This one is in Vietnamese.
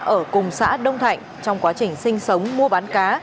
ở cùng xã đông thạnh trong quá trình sinh sống mua bán cá